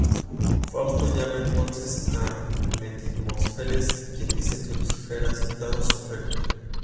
Fausto llama entonces a Mefistófeles quien dice que Lucifer ha aceptado su oferta.